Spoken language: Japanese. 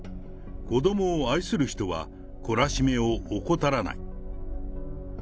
子どもを愛する人は、懲らしめを怠らない。